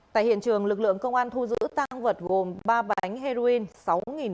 tại hiện trường lực lượng công an thu giữ tăng vật gồm ba bánh heroin